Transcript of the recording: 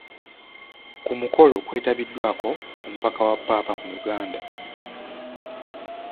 Ku mukolo kwetabiddwako omubaka wa Ppaapa mu Uganda.